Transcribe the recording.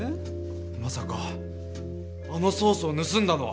まさかあのソースを盗んだのは。